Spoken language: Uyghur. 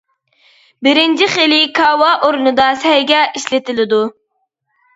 بىرىنچى خىلى كاۋا ئورنىدا سەيگە ئىشلىتىلىدۇ.